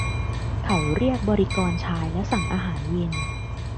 เขาเรียกบริกรชายและสั่งอาหารเย็น